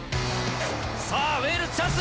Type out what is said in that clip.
さあ、ウェールズ、チャンス！